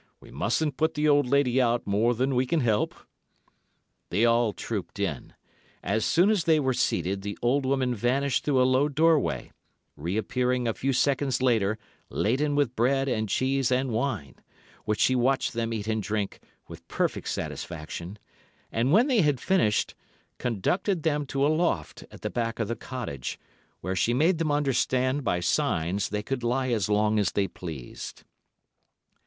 "We mustn't put the old lady out more than we can help." They all trooped in. As soon as they were seated the old woman vanished through a low doorway, reappearing a few seconds later laden with bread and cheese and wine, which she watched them eat and drink with perfect satisfaction, and when they had finished, conducted them to a loft at the back of the cottage, where she made them understand by signs they could lie as long as they pleased.